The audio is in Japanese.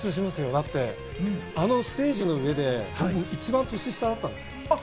だってあのステージの上で一番年下だったんですよ。